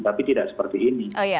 tapi tidak seperti ini